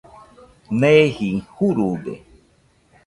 Neeji jurude